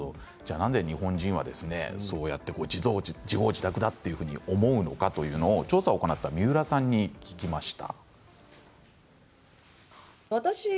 なぜ日本人は自業自得だと思うのかというのを調査を行った三浦さんに聞きました。